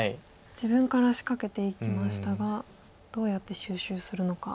自分から仕掛けていきましたがどうやって収拾するのか。